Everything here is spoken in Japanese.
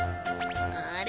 あれ？